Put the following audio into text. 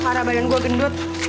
karena badan gue gendut